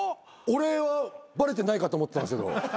俺はバレてないかと思ってたんですけど。